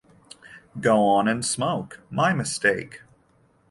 Go on and smoke — my mistake!